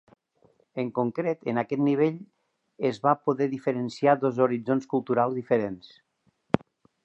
En concret, en aquest nivell es va poder diferenciar dos horitzons culturals diferents.